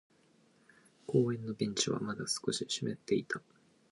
公園のベンチはまだ少し湿っていた。